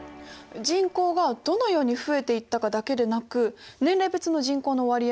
人口がどのように増えていったかだけでなく年齢別の人口の割合が分かるといいですよね。